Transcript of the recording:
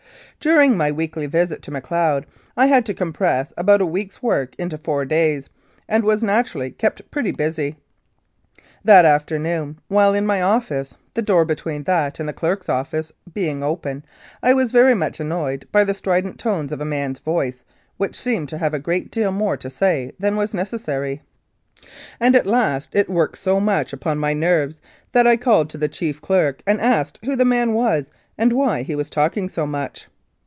During my weekly visit to Macleod I had to com press about a week's work into four days, and was naturally kept pretty busy. That afternoon, while in my office, the door between that and the clerk's office being open, I was very much annoyed by the strident tones of a man's voice which seemed to have a great deal more to say than was necessary, and at last it 133 Mounted Police Life in Canada worked so much upon my nerves that I called to the chief clerk and asked who the man was and why he was talking so much.